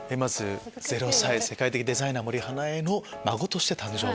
０歳世界的デザイナー森英恵の孫として誕生。